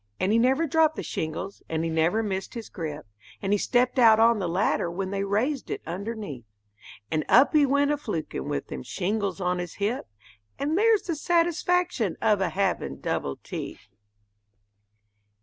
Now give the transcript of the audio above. And he never dropped the shingles, and he never missed his grip, And he stepped out on the ladder when they raised it underneath; And up he went a flukin' with them shingles on his hip, And there's the satisfaction of a havin' double teeth.